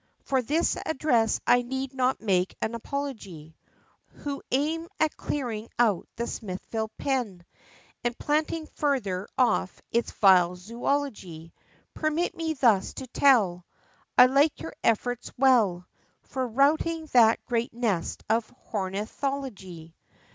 For this address I need not make apology Who aim at clearing out the Smithfield pen, And planting further off its vile Zoology Permit me thus to tell, I like your efforts well, For routing that great nest of Hornithology!